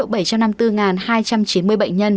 bảy trăm năm mươi bốn hai trăm chín mươi bệnh nhân